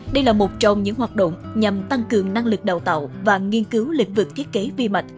đây là một trong những hoạt động nhằm tăng cường năng lực đào tạo và nghiên cứu lịch vực thiết kế vi mạch